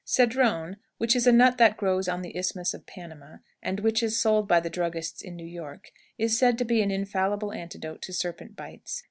Cedron, which is a nut that grows on the Isthmus of Panama, and which is sold by the druggists in New York, is said to be an infallible antidote to serpent bites.